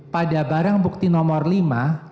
pada barang bukti nomor lima